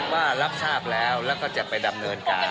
ว่ารับทราบแล้วแล้วก็จะไปดำเนินการ